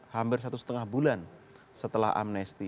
hampir satu setengah bulan setelah amnesti